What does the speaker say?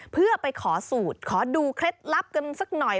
เพื่อไปขอสูตรขอดูเคล็ดลับกันสักหน่อย